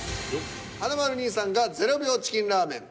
華丸兄さんが「０秒チキンラーメン」。